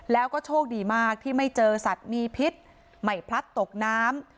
แล้วก็โชคดีมากที่ไม่เจอสัตว์มีพิษใหม่พลัดตกน้ำ